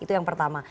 itu yang pertama